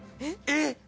えっ！？